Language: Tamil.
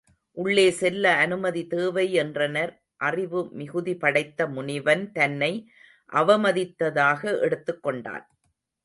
உள்ளே செல்ல அனுமதி தேவை என்றனர் அறிவு மிகுதி படைத்த முனிவன் தன்னை அவமதித்ததாக எடுத்துக் கொண்டான்.